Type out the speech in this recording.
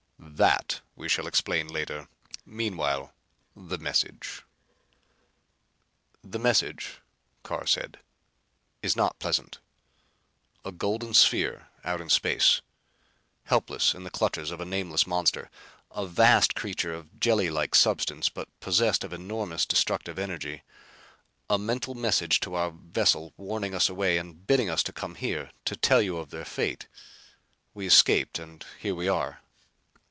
"That we shall explain later. Meanwhile the message!" "The message," Carr said, "is not pleasant. A golden sphere out in space. Helpless in the clutches of a nameless monster, a vast creature of jellylike substance but possessed of enormous destructive energy. A mental message to our vessel warning us away and bidding us to come here; to tell you of their fate. We escaped and here we are."